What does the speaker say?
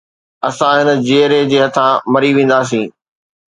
اسان هن جيئري جي هٿان مري وينداسين